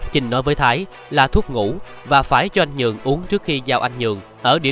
trình nói với thái là thuốc ngủ và phải cho anh nhường uống trước khi giao anh nhường ở địa